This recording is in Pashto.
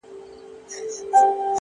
• او تیاره ورته د کور وړه دنیا سوه ,